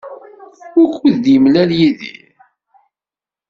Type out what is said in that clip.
Wukud d-yemlal Yidir?